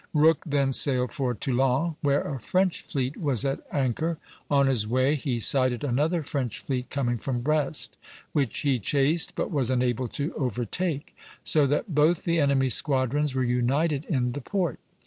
Rooke then sailed for Toulon, where a French fleet was at anchor. On his way he sighted another French fleet coming from Brest, which he chased but was unable to overtake; so that both the enemy's squadrons were united in the port.